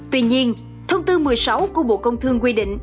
tuy nhiên thông tư một mươi sáu của bộ công thương quy định